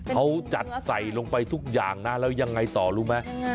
เขาจัดใส่ลงไปทุกอย่างนะแล้วยังไงต่อรู้ไหม